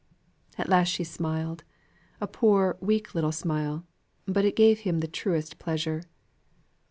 At last she smiled; a poor, weak little smile; but it gave him the truest pleasure.